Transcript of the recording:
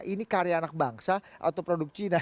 ini karya anak bangsa atau produk cina